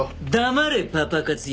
黙れパパ活野郎。